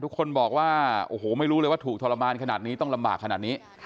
ทุกคนบอกว่าโอ้โหไม่รู้เลยว่าถูกทรมานขนาดนี้ต้องลำบากขนาดนี้